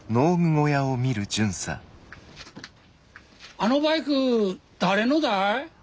あのバイク誰のだい？